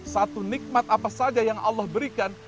satu nikmat apa saja yang allah berikan